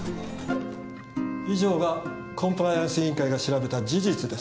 以上がコンプライアンス委員会が調べた事実です。